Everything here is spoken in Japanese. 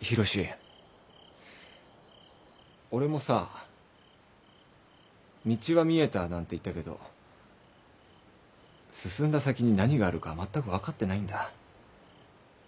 浩志俺もさ道は見えたなんて言ったけど進んだ先に何があるかまったく分かってないんだ。